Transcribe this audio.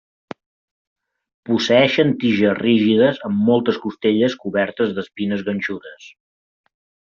Posseeixen tiges rígides amb moltes costelles cobertes d'espines ganxudes.